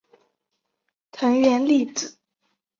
藤原丽子